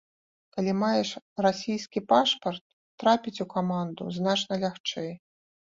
Калі маеш расійскі пашпарт, трапіць у каманду значна лягчэй.